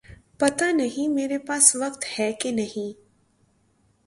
پتا نہیں میرے پاس وقت ہے کہ نہیں